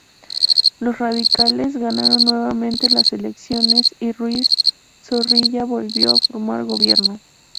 Los radicales ganaron nuevamente las elecciones y Ruiz Zorrilla volvió a formar gobierno.